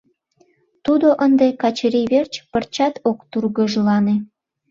Тудо ынде Качырий верч пырчат ок тургыжлане.